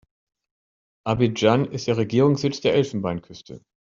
Abidjan ist der Regierungssitz der Elfenbeinküste.